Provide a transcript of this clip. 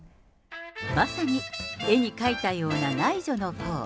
まさに絵に描いたような内助の功。